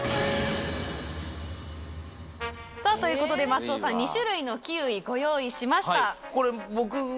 ということで松尾さん２種類のキウイご用意しました。